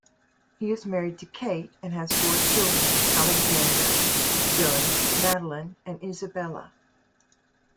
He is married to Kate and has four children: Alexander, Zoe, Madeline and Isabella.